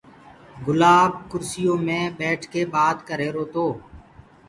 گُلآب ڪُرسيو مي ٻيٺڪي بآت ڪريهروتو